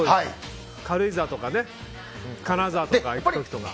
軽井沢とか金沢に行く時とか。